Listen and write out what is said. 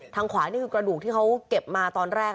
ขวานี่คือกระดูกที่เขาเก็บมาตอนแรก